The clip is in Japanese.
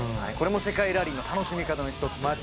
これも世界ラリーの楽しみ方の一つ。